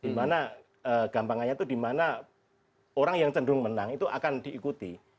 dimana gampangannya itu dimana orang yang cenderung menang itu akan diikuti